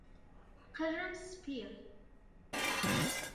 قژم سپییە.